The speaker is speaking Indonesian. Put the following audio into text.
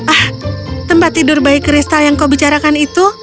ah tempat tidur bayi kristal yang kau bicarakan itu